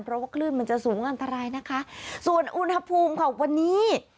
เพราะว่าคลื่นมันจะสูงอันตรายนะคะส่วนอุณหภูมิค่ะวันนี้